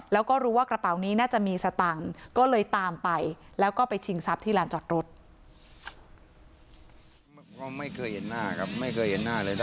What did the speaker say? แล้วก็รู้ว่ากระเป๋านี้น่าจะมีสตังค์ก็เลยตามไปแล้วก็ไปชิงทรัพย์ที่ลานจอดรถ